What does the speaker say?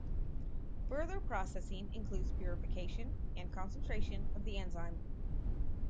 Further processing includes purification and concentration of the enzyme.